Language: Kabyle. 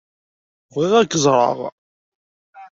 Bɣiɣ ad k-ẓṛeɣ.